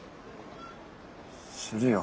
するよ。